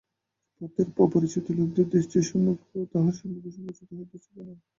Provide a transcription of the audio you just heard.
পথের অপরিচিত লোকদের দৃষ্টির সম্মুখেও তাহার সর্বাঙ্গ সংকুচিত হইতেছে কেন।